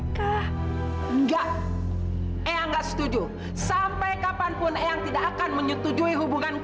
kamu mau eyang cepat matikan